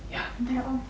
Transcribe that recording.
bentar ya om